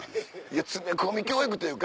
いや詰め込み教育というか。